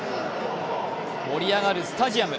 盛り上がるスタジアム。